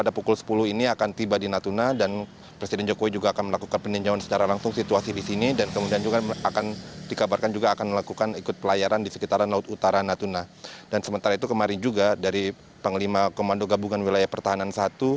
dan kemudian juga kemarin juga dari pengelima komando gabungan wilayah pertahanan satu